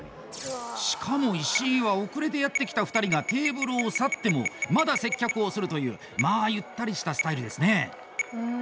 しかも、石井は遅れてやってきた２人がテーブルを去ってもまだ接客をするというまあゆったりしたスタイルですね。